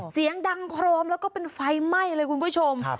เสียงดังโครมแล้วก็เป็นไฟไหม้เลยคุณผู้ชม